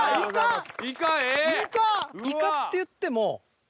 イカっていっても。